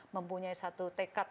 mempunyai satu tekad